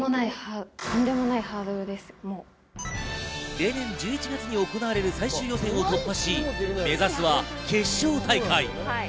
例年１１月に行われる最終予選を突破し、目指すは決勝大会。